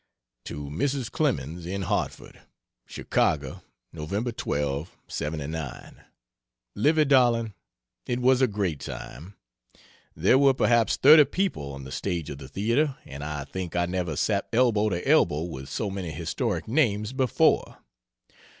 To Mrs. Clemens, in Hartford: CHICAGO, Nov. 12, '79. Livy darling, it was a great time. There were perhaps thirty people on the stage of the theatre, and I think I never sat elbow to elbow with so many historic names before.